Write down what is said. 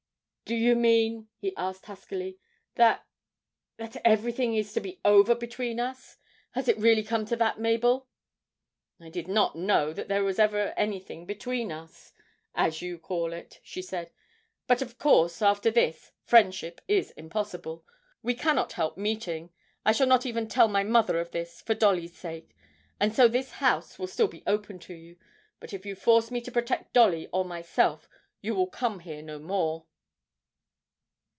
'Do you mean,' he asked huskily, 'that that everything is to be over between us? Has it really come to that, Mabel?' 'I did not know that there ever was anything between us, as you call it,' she said. 'But of course, after this, friendship is impossible. We cannot help meeting. I shall not even tell my mother of this, for Dolly's sake, and so this house will still be open to you. But if you force me to protect Dolly or myself, you will come here no more.'